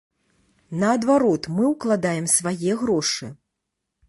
Наадварот, мы ўкладаем свае грошы.